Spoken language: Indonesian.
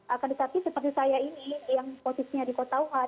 akan tetapi seperti saya ini yang posisinya di kota wuhan